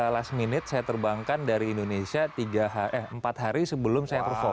last minute saya terbangkan dari indonesia empat hari sebelum saya perform